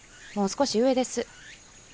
もう少し上です。